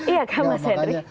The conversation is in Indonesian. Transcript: iya kan mas hendry